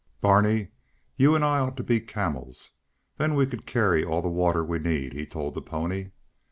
"Barney, you and I ought to be camels. Then we could carry all the water we need," he told the pony.